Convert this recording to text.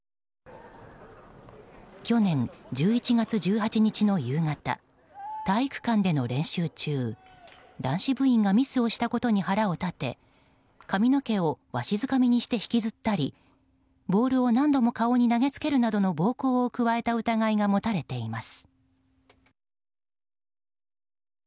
去年１１月１８日の夕方体育館での練習中、男子部員がミスをしたことに腹を立て髪の毛をわしづかみにして引きずったりボールを何度も顔に投げつけるなどの暴行を加えた疑いが持たれています。